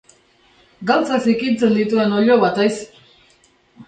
Galtzak zikintzen dituen oilo bat haiz!